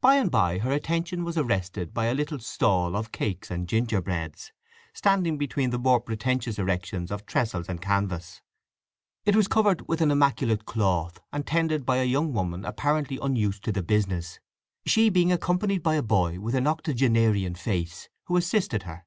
By and by her attention was arrested by a little stall of cakes and ginger breads, standing between the more pretentious erections of trestles and canvas. It was covered with an immaculate cloth, and tended by a young woman apparently unused to the business, she being accompanied by a boy with an octogenarian face, who assisted her.